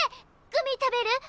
グミ食べる？